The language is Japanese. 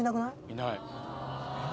いない。